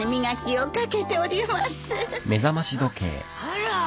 あら。